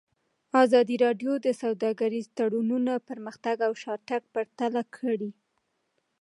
ازادي راډیو د سوداګریز تړونونه پرمختګ او شاتګ پرتله کړی.